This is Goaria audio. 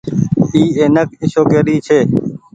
اي اينڪ اشوڪي ري ڇي۔